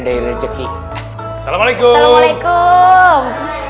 dari rezeki assalamualaikum waalaikumsalam